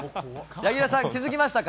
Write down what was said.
柳楽さん、気付きましたか？